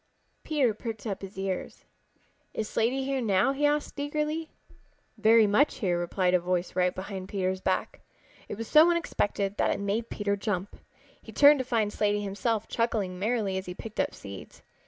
Peter pricked up his ears. "Is Slaty here now?" he asked eagerly. "Very much here," replied a voice right behind Peter's back. It was so unexpected that it made Peter jump. He turned to find Slaty himself chuckling merrily as he picked up seeds.